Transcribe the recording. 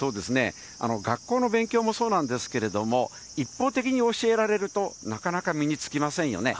学校の勉強もそうなんですけれども、一方的に教えられると、なかなか身につきませんよね。